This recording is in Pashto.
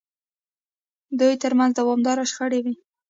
دوی ترمنځ دوامداره شخړې وې.